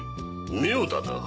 妙だな。